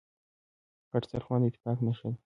غټ سترخوان داتفاق نښه ده.